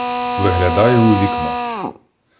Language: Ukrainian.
Виглядаю у вікно.